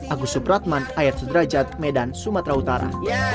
agus subratman ayat sederajat medan sumatera utara